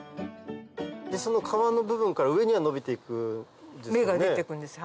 その皮の部分から上には伸びて行くんですかね。